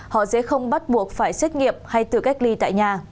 họ sẽ không bắt buộc phải xét nghiệm hay tự cách ly tại nhà